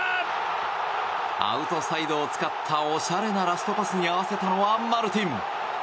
アウトサイドを使ったおしゃれなラストパスに合わせたのはマルティン。